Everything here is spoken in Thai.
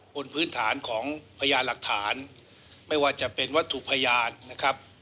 บนพื้นฐานของพยานหลักฐานไม่ว่าจะเป็นวัตถุพยานนะครับ